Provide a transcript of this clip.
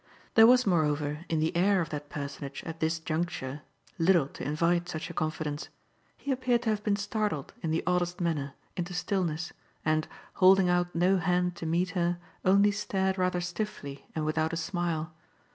There was moreover in the air of that personage at this juncture little to invite such a confidence: he appeared to have been startled, in the oddest manner, into stillness and, holding out no hand to meet her, only stared rather stiffly and without a smile.